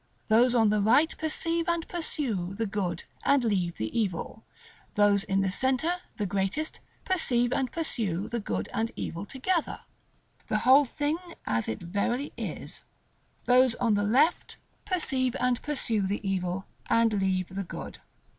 Those on the right perceive, and pursue, the good, and leave the evil: those in the centre, the greatest, perceive and pursue the good and evil together, the whole thing as it verily is: those on the left perceive and pursue the evil, and leave the good.